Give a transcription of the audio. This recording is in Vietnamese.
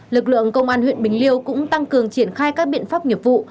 lực lượng công an huyện bình liêu cũng tăng cường triển khai các biện pháp nghiệp vụ